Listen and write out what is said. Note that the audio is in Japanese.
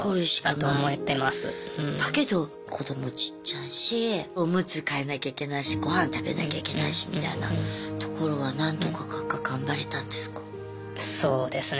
だけど子どもちっちゃいしおむつ替えなきゃいけないし御飯食べなきゃいけないしみたいなところは何とか頑張れたんですか？